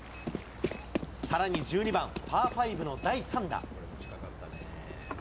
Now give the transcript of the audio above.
さらに１２番パー５の第３打。